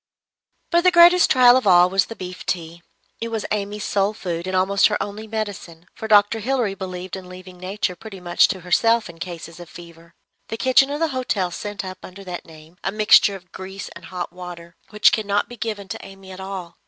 But the greatest trial of all was the beef tea. It was Amy's sole food, and almost her only medicine; for Dr. Hilary believed in leaving Nature pretty much to herself in cases of fever. The kitchen of the hotel sent up, under that name, a mixture of grease and hot water, which could not be given to Amy at all.